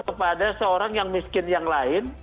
kepada seorang yang miskin yang lain